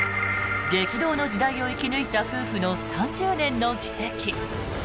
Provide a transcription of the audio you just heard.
激動の時代を生き抜いた夫婦の３０年の軌跡。